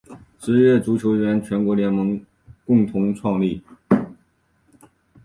职业足球员全国联盟共同创立。